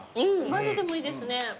混ぜてもいいですね。